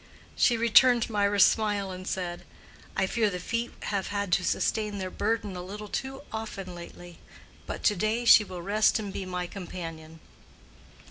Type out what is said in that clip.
She returned Mirah's smile and said, "I fear the feet have had to sustain their burden a little too often lately. But to day she will rest and be my companion."